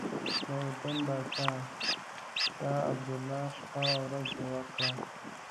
د اردن پاچا شاه عبدالله شپه او ورځ یوه کړه.